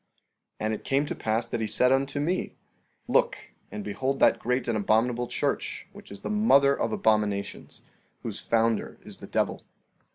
14:9 And it came to pass that he said unto me: Look, and behold that great and abominable church, which is the mother of abominations, whose founder is the devil.